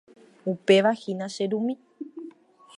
Upevahína che rumi.